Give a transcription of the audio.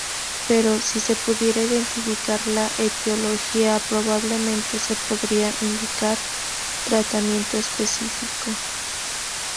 Pero, si se pudiera identificar la etiología, probablemente se podría indicar tratamiento específico.